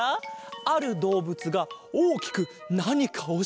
あるどうぶつがおおきくなにかをしているぞ！